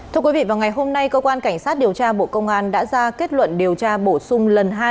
thưa quý vị vào ngày hôm nay cơ quan cảnh sát điều tra bộ công an đã ra kết luận điều tra bổ sung lần hai